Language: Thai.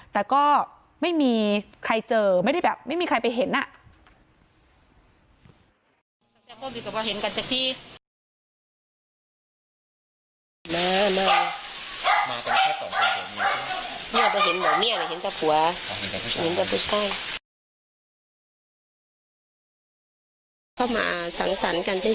แต่ก็ไม่มีใครเจอไม่ได้แบบไม่มีใครไปเห็นอ่ะ